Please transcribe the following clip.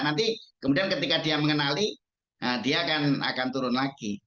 nanti kemudian ketika dia mengenali dia akan turun lagi